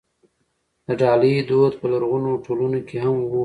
د ډالۍ دود په لرغونو ټولنو کې هم و.